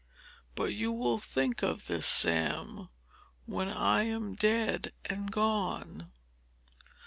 But you will think of this, Sam, when I am dead and gone!"